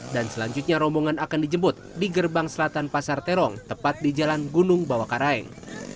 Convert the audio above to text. dan selanjutnya rombongan akan dijemput di gerbang selatan pasar terong tepat di jalan gunung bawah karaing